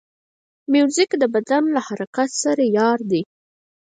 موزیک د بدن له حرکت سره یار دی.